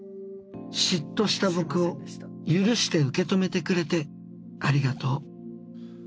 「嫉妬した僕を許して受け止めてくれてありがとう。